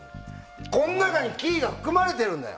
この中にキーが含まれてるんだよ。